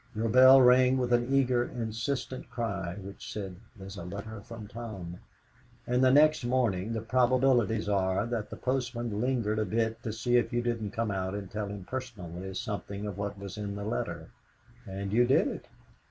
Your bell rang with an eager, insistent cry which said, "There's a letter from Tom." And the next morning, the probabilities are that the postman lingered a bit to see if you didn't come out and tell him personally something of what was in the letter. And you did it.